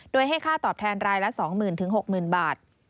โดยให้ค่าตอบแทนรายละ๒หมื่นถึง๖หมื่นบาท